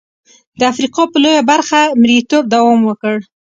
د افریقا په لویه برخه مریتوب دوام وکړ.